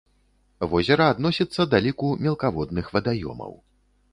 Возера адносіцца да ліку мелкаводных вадаёмаў.